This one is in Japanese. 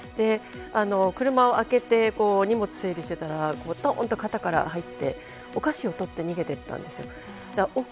車を開けて荷物を整理していたら肩から入ってお菓子を取って逃げていったんです。